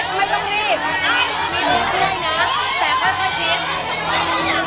ร่วมเก้าให้ความเห็นแล้ว